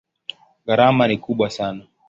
Gharama ni kubwa sana.